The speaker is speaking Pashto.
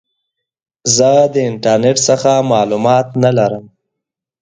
زه د انټرنیټ څخه معلومات نه لرم.